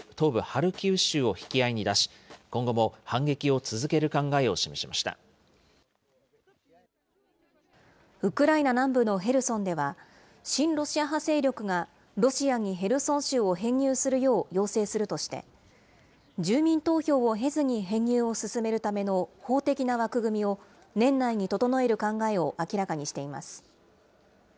ハルキウ州を引き合いに出し、今後も反撃を続ける考えをウクライナ南部のヘルソンでは、親ロシア派勢力が、ロシアにヘルソン州を編入するよう要請するとして、住民投票を経ずに編入を進めるための法的な枠組みを年内に整える考えを明らかにしています。